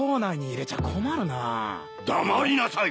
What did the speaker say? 黙りなさい。